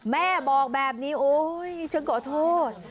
แม่บอกแบบนี้โอ๊ยฉันขอโทษ